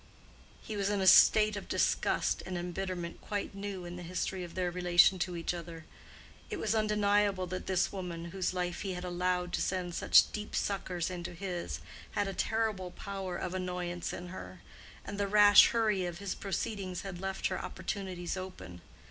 He was in a state of disgust and embitterment quite new in the history of their relation to each other. It was undeniable that this woman, whose life he had allowed to send such deep suckers into his, had a terrible power of annoyance in her; and the rash hurry of his proceedings had left her opportunities open.